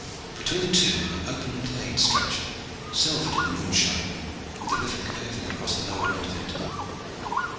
Between the two an open glade stretched, silvered in the moonshine, with the river curving across the lower end of it.